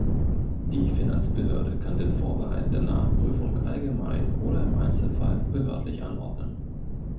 Die Finanzbehörde kann den Vorbehalt der Nachprüfung allgemein oder im Einzelfall behördlich anordnen.